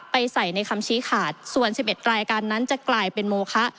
ใส่ในคำชี้ขาดส่วน๑๑รายการนั้นจะกลายเป็นโมคะ